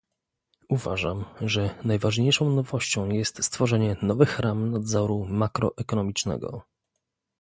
Uważam, że najważniejszą nowością jest stworzenie nowych ram nadzoru makroekonomicznego